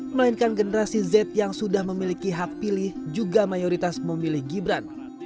melainkan generasi z yang sudah memiliki hak pilih juga mayoritas memilih gibran